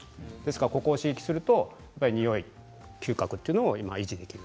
ここを刺激すると匂い、嗅覚というのを維持できる。